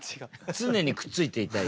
常にくっついていたい。